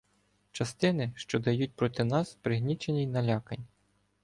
Частини, що дають проти нас, пригнічені й налякані.